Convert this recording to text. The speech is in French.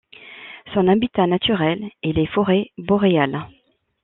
Son habitat naturel est les forêts boréales.